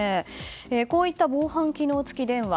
こういった防犯機能付き電話